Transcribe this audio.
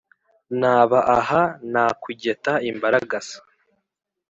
Naba aha nakugeta-Imbaragasa.